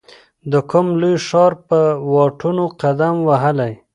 د کوم لوی ښار پر واټو قدم وهلی